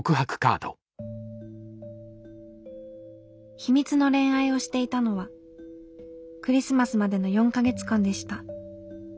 「秘密の恋愛をしていたのはクリスマスまでの４か月間でした。